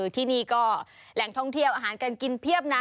ที่นี่ก็แหล่งท่องเที่ยวอาหารการกินเพียบนะ